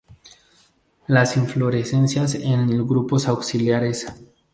Las inflorescencias en grupos axilares.